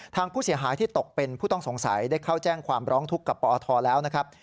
ทางผู้เสียหายที่ตกเป็นผู้ต้องสงสัยได้เข้าแจ้งความร้องทุกข์กับปอทแล้วนะครับ